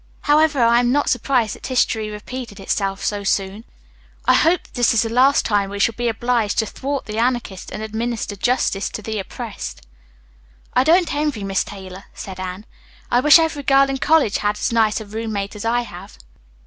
However, I am not surprised that history repeated itself so soon. I hope this is the last time we shall be obliged to thwart the Anarchist and administer justice to the oppressed. "I don't envy Miss Taylor," said Anne. "I wish every girl in college had as nice a roommate as I have."